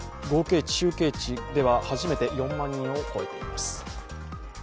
合計値、集計値では初めて４万人を超えています。